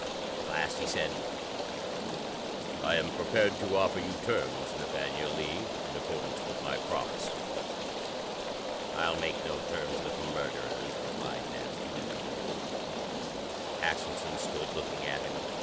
At last he said: "I am prepared to offer you terms, Nathaniel Lee, in accordance with my promise." "I'll make no terms with murderers," replied Nat bitterly. Axelson stood looking at him.